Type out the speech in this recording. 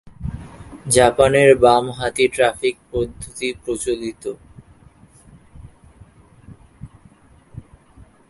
জাপানের বামহাতি ট্রাফিক পদ্ধতি প্রচলিত।